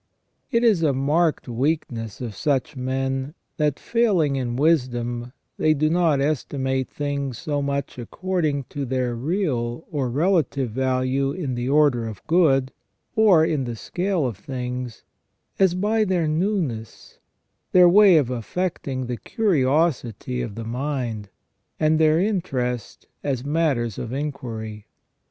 It is a marked weakness of such men that, failing in wisdom, they do not estimate things so much according to their real or relative value in the order of good, or in the scale of things, as by their newness, their way of affecting the curiosity of the mind, and their interest as matters of inquiry.